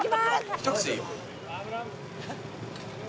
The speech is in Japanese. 一口でいいよ。